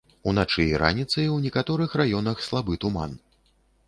Уначы і раніцай у некаторых раёнах слабы туман.